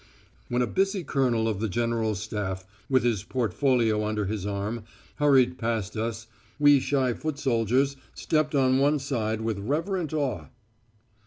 When a busy colonel of the General Staff, with his portfolio under his arm, hurried past us, we shy foot soldiers stepped on one side with reverent awe.